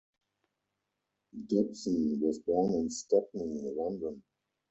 Dobson was born in Stepney, London.